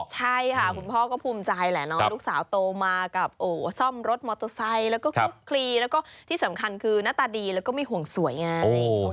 ใช่ค่ะคุณพ่อก็ภูมิใจแหละเนาะลูกสาวโตมากับซ่อมรถมอเตอร์ไซค์แล้วก็คลุกคลีแล้วก็ที่สำคัญคือหน้าตาดีแล้วก็ไม่ห่วงสวยไง